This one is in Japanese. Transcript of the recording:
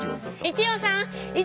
一葉さん！